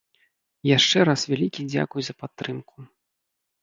Яшчэ раз вялікі дзякуй за падтрымку!